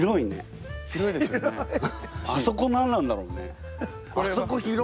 あそこ何なんだろうね？